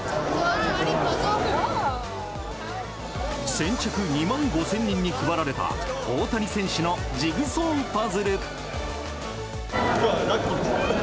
先着２万５０００人に配られた大谷選手のジグソーパズル。